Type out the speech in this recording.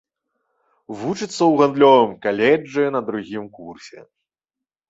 Вучацца ў гандлёвым каледжы на другім курсе.